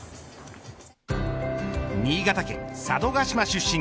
新潟県佐渡島出身。